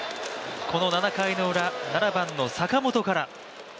この７回のウラ７番の坂本から。